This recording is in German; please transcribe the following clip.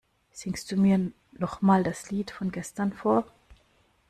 Singst du mir noch mal das Lied von gestern vor?